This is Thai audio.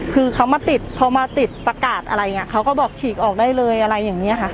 คือเขามาติดพอมาติดประกาศอะไรอย่างนี้เขาก็บอกฉีกออกได้เลยอะไรอย่างนี้ค่ะ